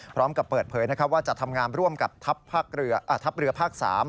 พร้อมกับเปิดเผยว่าจะทำงานร่วมกับทัพเรือภาค๓